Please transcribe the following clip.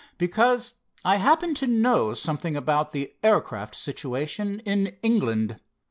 "Because I happen to know something about the aircraft situation in England.